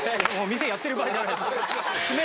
店やってる場合じゃない。